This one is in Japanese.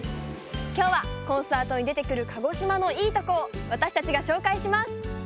きょうはコンサートにでてくる鹿児島のいいとこをわたしたちがしょうかいします！